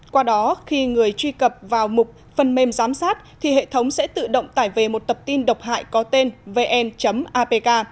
qua đó khi người truy cập vào mục phần mềm giám sát thì hệ thống sẽ tự động tải về một tập tin độc hại có tên vn apk